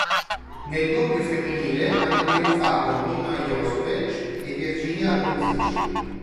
Nel doppio femminile hanno trionfato Mima Jaušovec e Virginia Ruzici.